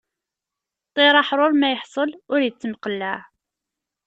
Ṭṭiṛ aḥṛuṛ ma iḥṣel, ur ittemqellaɛ.